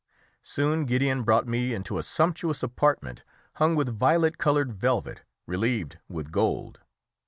Soon Gideon brought me into a sumptuous apartment hung with violet coloured velvet, relieved with gold.